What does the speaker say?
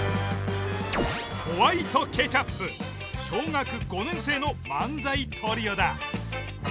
小学５年生の漫才トリオだ。